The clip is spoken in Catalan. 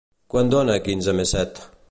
Quant dona quinze més set?